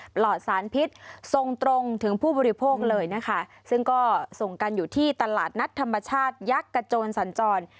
ปลอดสารพิษทรงตรงถึงผู้บริโภคเลยนะคะซึ่งก็ส่งกันอยู่ที่ตลาดนัดธรรมชาติยักษ์กระโจนสัญจร